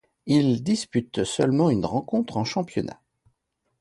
Il dispute seulement une rencontre en championnat.